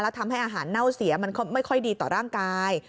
ทำให้อาหารเน่าเสียมันไม่ค่อยดีต่อร่างกาย